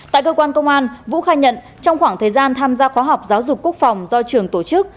tại cơ quan công an vũ khai nhận trong khoảng thời gian tham gia khóa học giáo dục quốc phòng do trường tổ chức